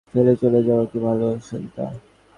কুন্দ বলে, আপনার জন সবাইকে ফেলে চলে যাওয়া কি ভালো শশীদাদা?